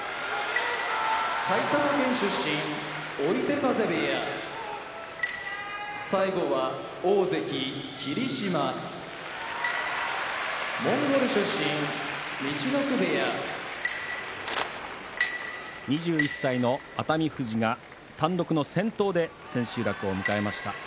埼玉県出身追手風部屋大関・霧島モンゴル出身陸奥部屋２１歳の熱海富士が単独の先頭で千秋楽を迎えました。